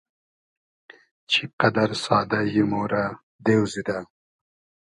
چی قئدئر سادۂ یی ، مۉرۂ دېو زیدۂ